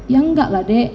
ya enggak lah dek